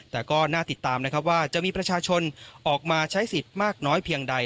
แต่ก็น่าติดตามนะครับว่าจะมีประชาชนออกมาใช้สิทธิ์มากน้อยเพียงใด